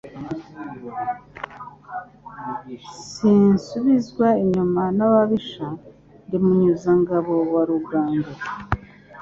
Sinsubizwa inyuma n'ababisha..Ndi Munyuzangabo wa Rugango,